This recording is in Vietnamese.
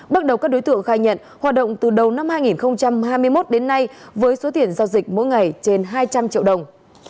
bước đầu các đối tượng khai nhận hoạt động từ đầu năm hai nghìn hai mươi một đến nay với số tiền giao dịch mỗi ngày trên hai trăm linh triệu đồng